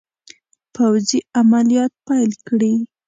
پوځي عملیات پیل کړي.